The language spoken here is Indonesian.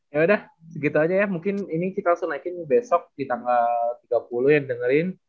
ya udah segitu aja ya mungkin ini kita langsung naikin besok di tanggal tiga puluh ya dengerin